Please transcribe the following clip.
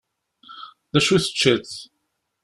Dacu i teččiḍ?